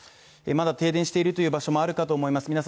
まだ停電しているという場所もあるかと思います